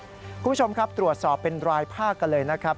คุณผู้ชมครับตรวจสอบเป็นรายภาคกันเลยนะครับ